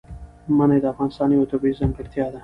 منی د افغانستان یوه طبیعي ځانګړتیا ده.